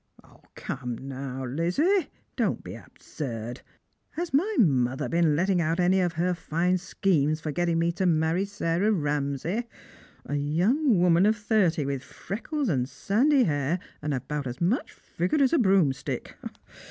" Come, now, Lizzie, don't be absurd. Has my mother been letting out any of her fine schemes for getting me to marry Sarah Ramsay? — a young woman of thirty, with freckles and sandy hair, and about as much figure as a broomstick.